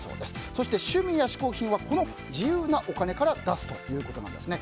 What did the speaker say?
そして趣味や嗜好品はこの自由なお金から出すということですね。